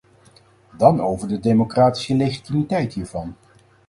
Dan over de democratische legitimiteit hiervan.